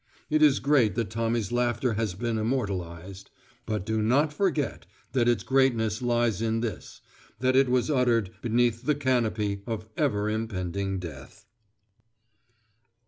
It is great that Tommy's laughter has been immortalised; but do not forget that its greatness lies in this, that it was uttered beneath the canopy of ever impending Death.